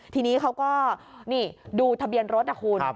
ทีนี้เขาก็นี่ดูทะเบียนรถนะคุณ